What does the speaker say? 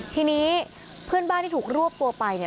ทีนี้เพื่อนบ้านที่ถูกรวบตัวไป